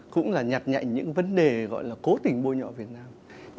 cũng là nhặt nhạy những vấn đề gọi là cố tình bôi nhọ việt nam